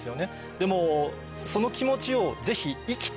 でもその気持ちをぜひ。